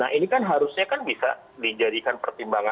nah ini kan harusnya kan bisa dijadikan pertimbangan